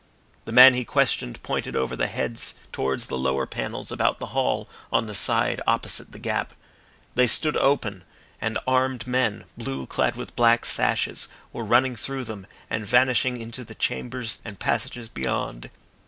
The man he questioned pointed over the heads towards the lower panels about the hall on the side opposite the gap. They stood open, and armed men, blue clad with black sashes, were running through them and vanishing into the chambers and passages beyond.